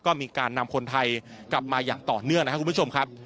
ก็มีการนำคนไทยกลับมาอย่างต่อเนื่องนะครับคุณผู้ชมครับ